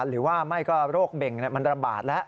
หรือว่าไม่ก็โรคเบ่งมันระบาดแล้ว